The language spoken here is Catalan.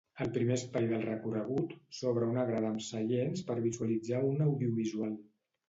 Al primer espai del recorregut s'obre una grada amb seients per visualitzar un audiovisual.